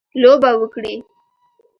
لوبه وکړي.